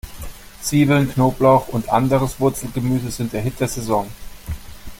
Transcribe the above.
Zwiebeln, Knoblauch und anderes Wurzelgemüse sind der Hit der Saison.